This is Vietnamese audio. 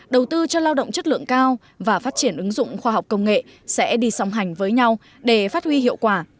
đầu tư cho lao động chất lượng cao và phát triển ứng dụng khoa học công nghệ sẽ đi song hành với nhau để phát huy hiệu quả